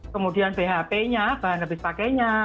kemudian bhp nya bahan habis pakainya